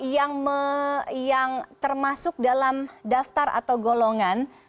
yang termasuk dalam daftar atau golongan